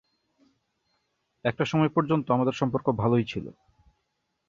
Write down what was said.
একটা সময় পর্যন্ত আমাদের সম্পর্ক ভালোই ছিল।